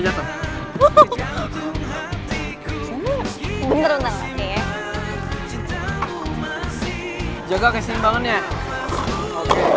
jaga kesimbangannya oke